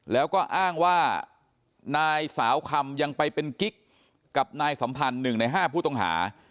แล้วก็อ้างว่านางสาวคำยังไปเป็นกิ๊กกับนายสัมพันธ์๑ใน๕ผู้ต้องหา